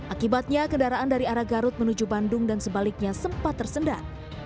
akibatnya kendaraan dari arah garut menuju bandung dan sebaliknya sempat tersendat